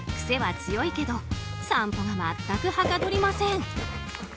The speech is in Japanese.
癖は強いけど散歩が全くはかどりません。